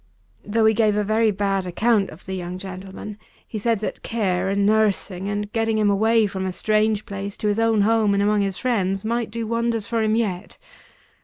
Though he gave a very bad account of the young gentleman, he said that care and nursing, and getting him away from a strange place to his own home and among his friends, might do wonders for him yet.